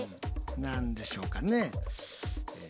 何でしょうかね？